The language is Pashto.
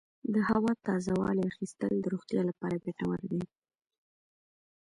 د هوا تازه والي اخیستل د روغتیا لپاره ګټور دي.